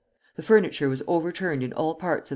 The furniture was overturned in all parts of the room.